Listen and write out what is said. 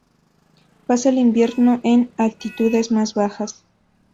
Pasa el invierno en altitudes más bajas.